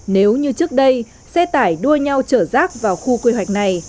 nếu như trước đây xe tải đua nhau chở rác vào khu quy hoạch này